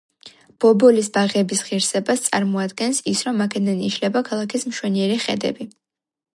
ბობოლის ბაღების ღირსებას წარმოადგენს, ის რომ, აქედან იშლება ქალაქის მშვენიერი ხედები.